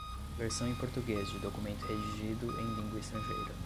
versão em português de documento redigido em língua estrangeira